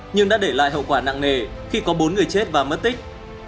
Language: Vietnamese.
nhưng đã để lại hậu quả nặng nề khi có bốn người chết và mất tích